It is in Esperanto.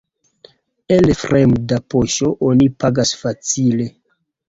El fremda poŝo oni pagas facile.